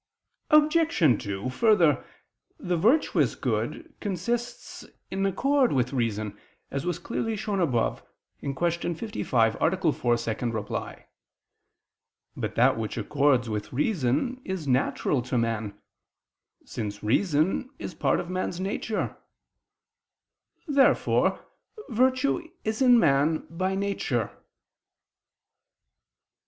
Obj. 2: Further, the virtuous good consists in accord with reason, as was clearly shown above (Q. 55, A. 4, ad 2). But that which accords with reason is natural to man; since reason is part of man's nature. Therefore virtue is in man by nature.